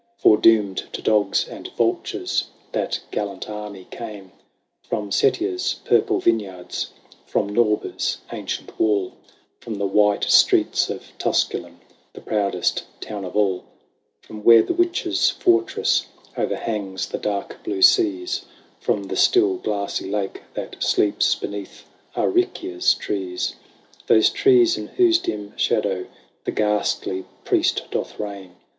Foredoomed to dogs and vultures. That gallant army came ; From Setia's purple vineyards. From Norba's ancient wall, From the white streets of Tusculum, The proudest town of all ; From where the Witches Fortress O'erhangs the dark blue seas ; From the still glassy lake that sleeps Beneath Aricia's trees — Those trees in whose dim shadow The ghastly priest doth reign.